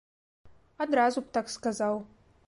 Адразу б так сказаў.